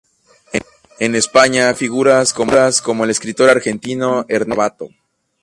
En España conoció a figuras, como el escritor argentino Ernesto Sábato.